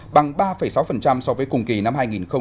bằng ba sáu so với cùng kỳ năm hai nghìn một mươi tám